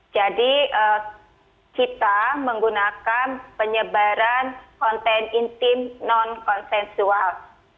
jadi kita menggunakan penyebaran konten intim non konsensual